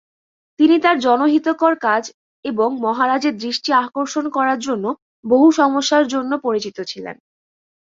তিনি তাঁর জনহিতকর কাজ এবং মহারাজের দৃষ্টি আকর্ষণ করার জন্য বহু সমস্যার জন্য পরিচিত ছিলেন।